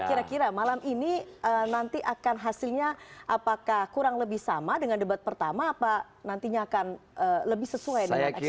kira kira malam ini nanti akan hasilnya apakah kurang lebih sama dengan debat pertama apa nantinya akan lebih sesuai dengan eksekutif